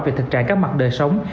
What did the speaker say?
về thực trạng các mặt đời sống